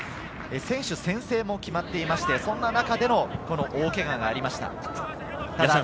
選手宣誓も決まっていまして、そんな中での大けががありました。